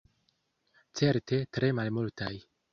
Certe tre malmultaj.